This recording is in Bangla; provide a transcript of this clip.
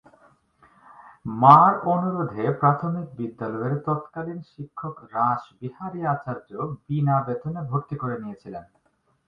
মা'র অনুরোধে প্রাথমিক বিদ্যালয়ের তৎকালীন শিক্ষক রাসবিহারী আচার্য বিনা বেতনে ভর্তি করে নিয়েছিলেন।